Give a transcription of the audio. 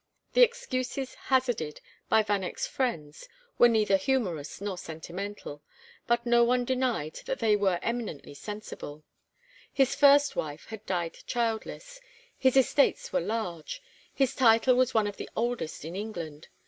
The excuses hazarded by Vanneck's friends were neither humorous nor sentimental, but no one denied that they were eminently sensible: his first wife had died childless, his estates were large, his title was one of the oldest in England.